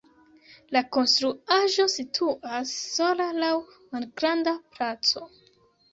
La konstruaĵo situas sola laŭ malgranda placo.